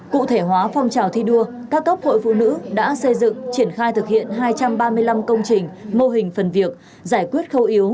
cụ thể hóa phong trào thi đua các cấp hội phụ nữ đã xây dựng triển khai thực hiện hai trăm ba mươi năm công trình mô hình phần việc giải quyết khâu yếu